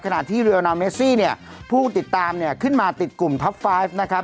ขณะที่เรียลนามเมซี่ผู้ติดตามขึ้นมาติดกลุ่มท็อป๕นะครับ